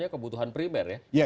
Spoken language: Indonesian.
kebutuhan primer ya